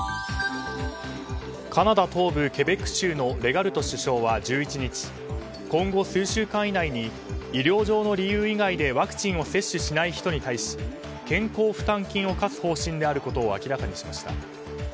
カナダ東部ケベック州のレガルト首相は１１日今後、数週間以内に医療上の理由以外でワクチンを接種しない人に対し健康負担金を課す方針であることを明らかにしました。